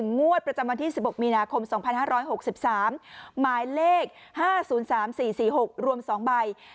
งวดประจำวันที่๑๖มีนาคม๒๕๖๓หมายเลข๕๐๓๔๔๖รวม๒ใบ